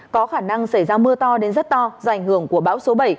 có khả năng xảy ra mưa to đến rất to do ảnh hưởng của bão số bảy